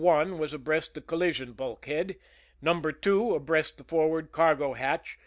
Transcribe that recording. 1 was abreast the collision bulkhead. No. 2 abreast the forward cargo hatch.